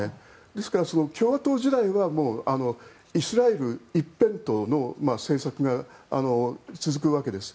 ですから共和党時代はイスラエル一辺倒の政策が続くわけです。